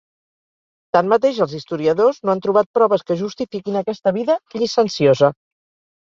Tanmateix, els historiadors no han trobat proves que justifiquin aquesta vida llicenciosa.